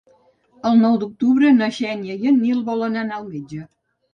El nou d'octubre na Xènia i en Nil volen anar al metge.